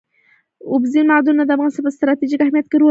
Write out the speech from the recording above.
اوبزین معدنونه د افغانستان په ستراتیژیک اهمیت کې رول لري.